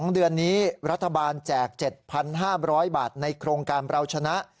๒เดือนนี้รัฐบาลแจก๗๕๐๐บาทในโครงการเราชนะ